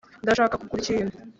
ndashaka kugura ikintu.